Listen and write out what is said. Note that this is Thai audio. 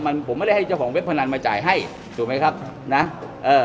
มันผมไม่ได้ให้เจ้าของเว็บพนันมาจ่ายให้ถูกไหมครับนะเอ่อ